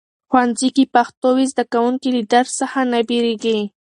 ښوونځي کې پښتو وي، زده کوونکي له درس څخه نه بیریږي.